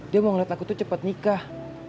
dia mau ngeliat aku tuh cepet nikah